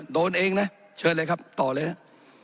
โดนเองนะเชิญเลยครับต่อเลยครับ